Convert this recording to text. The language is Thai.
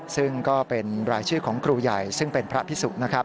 ซึ่งก็เป็นรายชื่อของครูใหญ่ซึ่งเป็นพระพิสุนะครับ